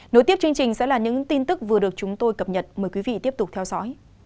nối tiếp chương trình sẽ là những tin tức vừa được chúng tôi cập nhật mời quý vị tiếp tục theo dõi